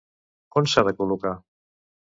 On s'ha de col·locar?